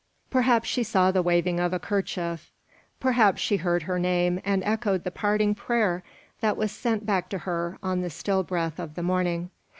Perhaps she saw the waving of a kerchief; perhaps she heard her name, and echoed the parting prayer that was sent back to her on the still breath of the morning.